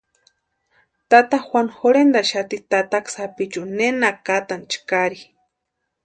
Tata Juanu jorhentaxati tataka sapichuni nena kʼatani chakri.